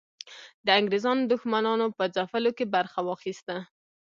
د انګریزانو دښمنانو په ځپلو کې برخه واخیسته.